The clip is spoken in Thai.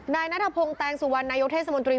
นายนัทพงศ์แตงสุวรรณนายกเทศมนตรี